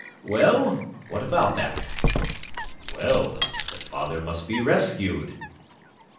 "Well, what about that?" "Well, the father must be rescued."